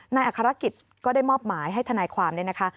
นายอัครกิจก็ได้มอบหมายให้ทนายความเนี่ยนะคะ